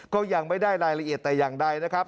ก็ยังไม่ได้รายละเอียดแต่อย่างใดนะครับ